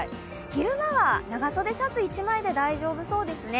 昼間は長袖シャツ１枚で大丈夫そうですね。